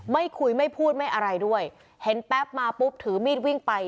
ไม่คุยไม่พูดไม่อะไรด้วยเห็นแป๊บมาปุ๊บถือมีดวิ่งไป